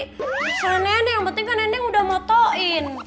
terserah neneng yang penting kan neneng udah motoin